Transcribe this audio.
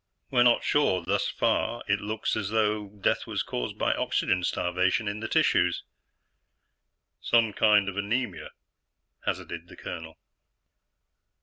"We're not sure. Thus far, it looks as though death was caused by oxygen starvation in the tissues." "Some kind of anemia?" hazarded the colonel.